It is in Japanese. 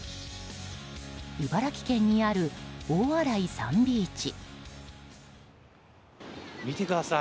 茨城県にある大洗サンビーチ。